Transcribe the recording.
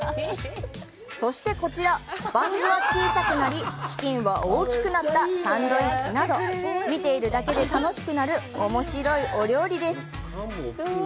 そして、こちら、バンズは小さくなり、チキンは大きくなったサンドウィッチなど、見ているだけで楽しくなるお料理です。